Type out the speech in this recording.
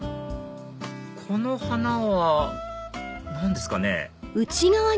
この花は何ですかね？